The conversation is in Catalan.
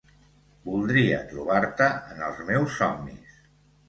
Voldria trobar-te en els meus somnis.